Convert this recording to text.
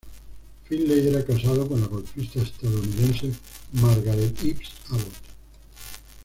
Finley era casado con la golfista estadounidense Margaret Ives Abbott.